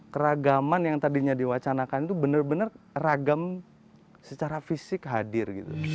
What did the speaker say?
keragaman yang tadinya diwacanakan itu benar benar ragam secara fisik hadir